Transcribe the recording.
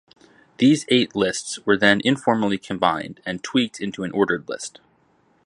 These eight lists were then informally combined, and tweaked into an ordered list.